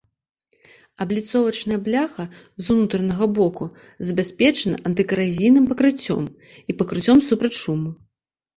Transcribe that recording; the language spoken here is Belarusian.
Абліцовачная бляха з унутранага боку забяспечана антыкаразійным пакрыццём і пакрыццём супраць шуму.